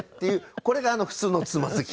これが普通のつまずき方。